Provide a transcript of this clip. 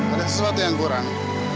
ada sesuatu yang kurang